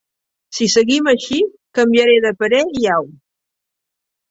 Si seguim així canviaré de parer i au.